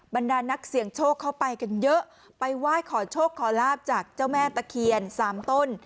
บรรดานักเสี่ยงโชคเข้าไปกันเยอะไปไหว้ขอโชคขอลาบจากเจ้าแม่ตะเคียนสามต้น